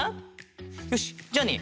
よしじゃあね